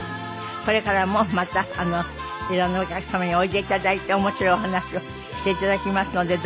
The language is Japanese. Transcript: これからもまた色んなお客様においで頂いて面白いお話をして頂きますのでどうぞご期待ください。